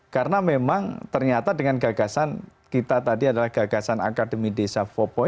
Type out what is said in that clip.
karena memang ternyata dengan gagasan kita tadi adalah gagasan akademi desa empat